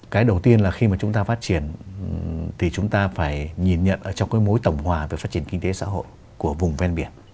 cái đầu tiên là khi mà chúng ta phát triển thì chúng ta phải nhìn nhận trong cái mối tổng hòa về phát triển kinh tế xã hội của vùng ven biển